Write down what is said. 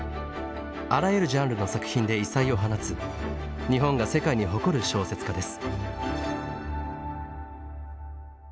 あらゆるジャンルの作品で異彩を放つ日本が世界に誇る小説家です。